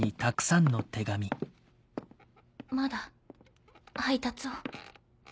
まだ配達を？